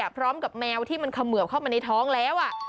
พร้อมกับแมวที่มันเขมือบเข้ามาในท้องแล้ว